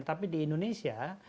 tapi di indonesia